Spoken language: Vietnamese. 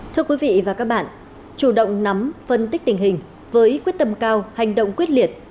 thưa quý vị và các bạn chủ động nắm phân tích tình hình với quyết tâm cao hành động quyết liệt